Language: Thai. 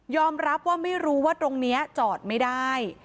รับว่าไม่รู้ว่าตรงนี้จอดไม่ได้